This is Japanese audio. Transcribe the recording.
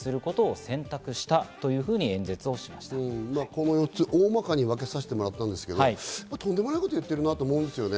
この４つ、大まかに分けさせてもらったんですけれど、とんでもないことを言ってるなと思うんです。